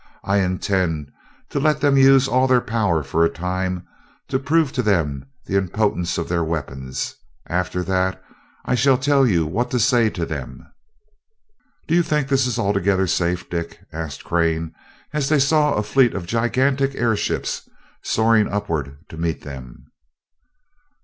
"I intend to let them use all their power for a time, to prove to them the impotence of their weapons. After that, I shall tell you what to say to them." "Do you think this is altogether safe, Dick?" asked Crane as they saw a fleet of gigantic airships soaring upward to meet them.